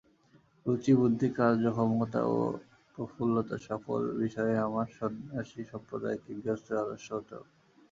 রুচি বুদ্ধি কার্যক্ষমতা ও প্রফুল্লতা, সকল বিষয়েই আমার সন্ন্যাসীসম্প্রদায়কে গৃহস্থের আদর্শ হতে হবে।